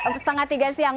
masih setengah tiga siang